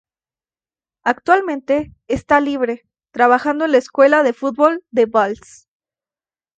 Actualmente está libre, trabajando en la Escuela de fútbol de Valls.